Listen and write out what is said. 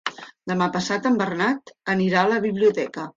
Demà passat en Bernat anirà a la biblioteca.